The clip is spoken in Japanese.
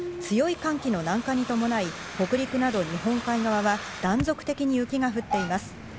強い寒気の南下に伴い、北陸など日本海側は断続的に雪が降っています。